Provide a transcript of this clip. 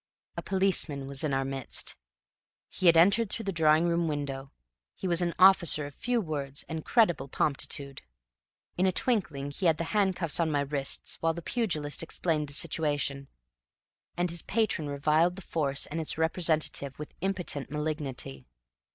A policeman was in our midst. He had entered through the drawing room window; he was an officer of few words and creditable promptitude. In a twinkling he had the handcuffs on my wrists, while the pugilist explained the situation, and his patron reviled the force and its representative with impotent malignity.